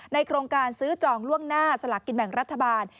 โครงการซื้อจองล่วงหน้าสลักกินแบ่งรัฐบาล